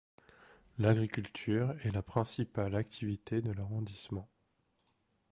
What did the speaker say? L'agriculture est la principale activité de l'arrondissement.